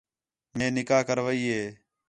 مئے نکاح کروائی ہِے